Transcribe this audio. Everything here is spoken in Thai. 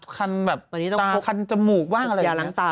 คันแบบตาคันจมูกว่างอะไรอย่างนี้